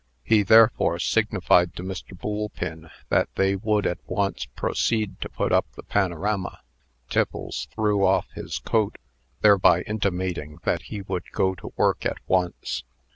He therefore signified to Mr. Boolpin that they would at once proceed to put up the panorama. Tiffles threw off his coat, thereby intimating that he would go to work at once.